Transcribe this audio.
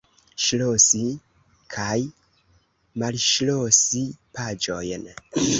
Ŝlosi kaj malŝlosi paĝojn.